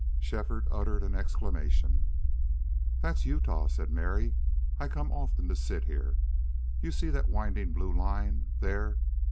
Shefford uttered an exclamation. "That's Utah," said Mary. "I come often to sit here. You see that winding blue line. There....